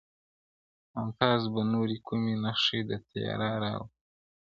o ممتاز به نوري کومي نخښي د تیرا راوړلې,